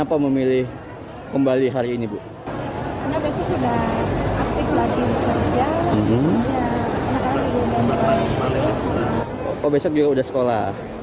oh besok juga sudah sekolah